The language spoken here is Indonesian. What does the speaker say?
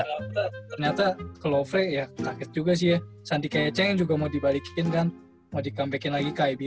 ternyata ke lufre ya kaget juga sih ya sandi kece yang juga mau di balik in kan mau di comeback in lagi ke ibl